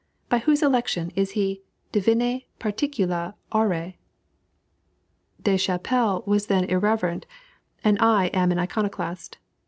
By whose election is he "divinæ particula auræ?" Des Chapelles was then irreverent, and I am an iconoclast.